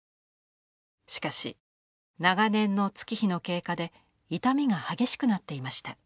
しかし長年の月日の経過で傷みが激しくなっていました。